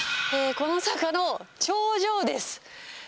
この坂の頂上です。